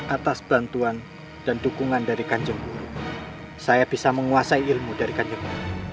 atas bantuan dan dukungan dari kajengku saya bisa menguasai ilmu dari kajengku